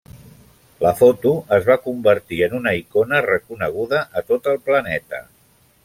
La foto es va convertir en una icona reconeguda a tot el planeta.